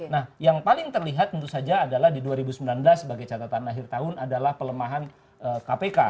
nah yang paling terlihat tentu saja adalah di dua ribu sembilan belas sebagai catatan akhir tahun adalah pelemahan kpk